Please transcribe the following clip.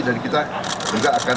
dan kita juga akan